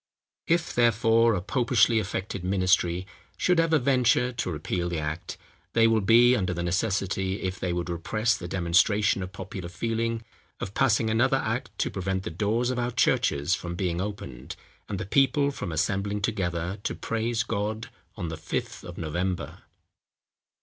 If, therefore, a popishly affected ministry should ever venture to repeal the act, they will be under the necessity, if they would repress the demonstration of popular feeling, of passing another act to prevent the doors of our churches from being opened, and the people from assembling together to praise God on the "Fifth of November."